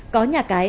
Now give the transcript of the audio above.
có nhà cái